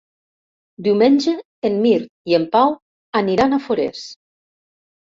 Diumenge en Mirt i en Pau aniran a Forès.